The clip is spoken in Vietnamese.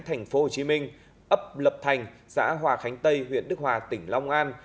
tp hcm ấp lập thành xã hòa khánh tây huyện đức hòa tỉnh long an